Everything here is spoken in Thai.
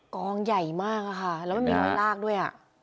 กองใหญ่มากอะค่ะแล้วมันมีรอยลากด้วย